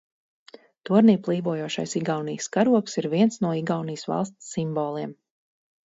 Tornī plīvojošais Igaunijas karogs ir viens no Igaunijas valsts simboliem.